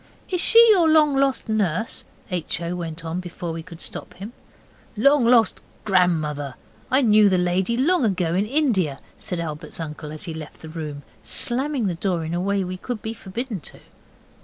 'Is she your long lost nurse?' H. O. went on, before we could stop him. 'Long lost grandmother! I knew the lady long ago in India,' said Albert's uncle, as he left the room, slamming the door in a way we should be forbidden to.